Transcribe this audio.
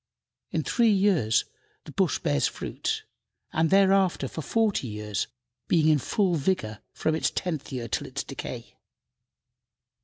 In three years the bush bears fruit, and thereafter for forty years, being in full vigor from its tenth year till its decay.